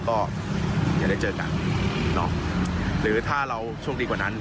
ก็จะได้เจอกันหรือถ้าเราช่วงดีกว่านั้น